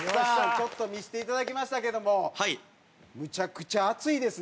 ちょっと見せていただきましたけどもむちゃくちゃ熱いですね。